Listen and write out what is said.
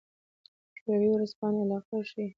شوروي ورځپاڼې علاقه ښيي.